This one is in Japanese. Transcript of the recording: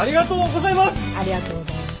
ありがとうございます！